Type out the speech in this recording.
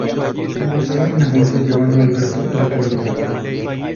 Ambos se agarran a golpes, llevando Alberto la peor parte.